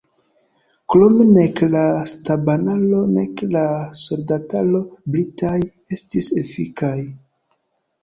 Krome nek la stabanaro nek la soldataro britaj estis efikaj.